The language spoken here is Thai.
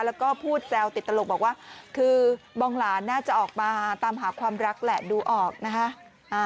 แล้วก็พูดแซวติดตลกบอกว่าคือบองหลานน่าจะออกมาตามหาความรักแหละดูออกนะคะ